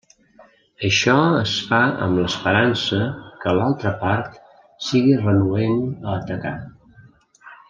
Això es fa amb l'esperança que l'altra part sigui renuent a atacar.